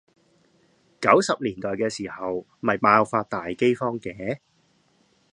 九十年代嘅時候咪爆發大饑荒嘅？